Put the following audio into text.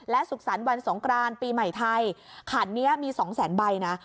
และศุกษัณฐ์วันสงครานปีใหม่ไทยขันนี้มี๒แสนใบนะ